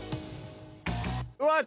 うわっ！